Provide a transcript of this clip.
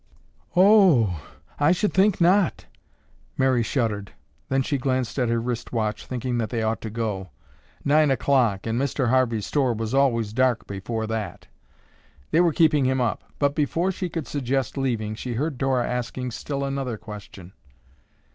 "Oh o o! I should think not." Mary shuddered, then she glanced at her wrist watch, thinking that they ought to go. Nine o'clock, and Mr. Harvey's store was always dark before that. They were keeping him up, but before she could suggest leaving, she heard Dora asking still another question.